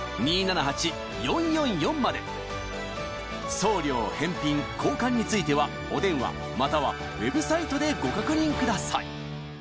送料返品交換についてはお電話またはＷＥＢサイトでご確認ください